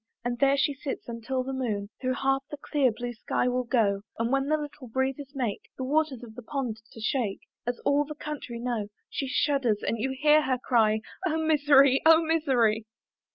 And there she sits, until the moon Through half the clear blue sky will go, And when the little breezes make The waters of the pond to shake, As all the country know, She shudders and you hear her cry, "Oh misery! oh misery!